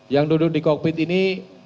yang duduk di kokpit ini